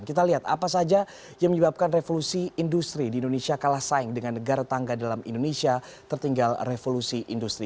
kita lihat apa saja yang menyebabkan revolusi industri di indonesia kalah saing dengan negara tangga dalam indonesia tertinggal revolusi industri